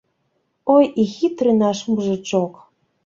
Ой, і хітры наш мужычок!